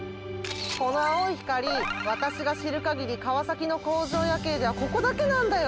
この青い光私が知る限り川崎の工場夜景ではここだけなんだよ。